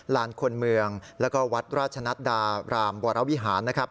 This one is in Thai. ลานคนมืองแล้วก็วัดราชนัตราบรามวรววิหาร